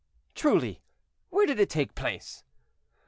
"Truly! where did it take place?"